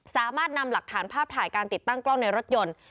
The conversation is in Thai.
สามารถนำหลักฐานภาพถ่ายการติดตั้งกล้องในรถยนต์